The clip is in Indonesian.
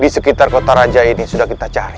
hai di sekitar kota raja ini sudah kita cari